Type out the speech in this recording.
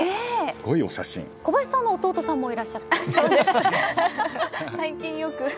小林さんの弟さんもいらっしゃって。